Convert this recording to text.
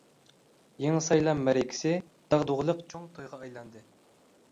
يېڭى سايلام مەرىكىسى داغدۇغىلىق چوڭ تويغا ئايلاندى.